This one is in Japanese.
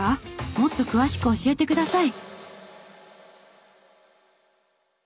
もっと詳しく教えてください！」